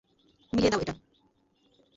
মিলিয়ে দাও এটা।